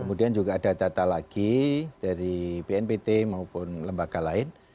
kemudian juga ada data lagi dari bnpt maupun lembaga lain